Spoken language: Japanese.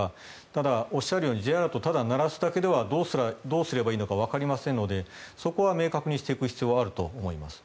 ただおっしゃるようにＪアラートをただ鳴らすだけではどうすればいいのかわかりませんのでそこは明確にしていく必要があると思います。